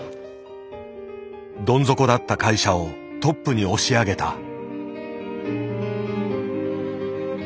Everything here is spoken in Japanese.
どん底だった会社をトップに押し上げた。